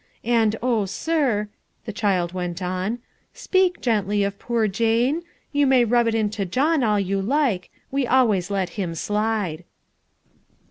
And, oh, sir," the child went on, "speak gently of poor Jane. You may rub it into John all you like; we always let him slide."